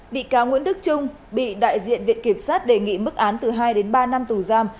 bị cáo nguyễn đức trung bị đại diện viện kiểm sát đề nghị mức án từ hai đến ba năm tù giam